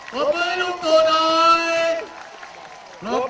บมือให้ลงตัวหน่อย